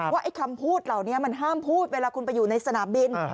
ไอ้คำพูดเหล่านี้มันห้ามพูดเวลาคุณไปอยู่ในสนามบิน